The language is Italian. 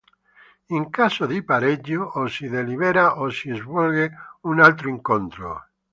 In caso di pareggio o si delibera o si svolge un altro incontro.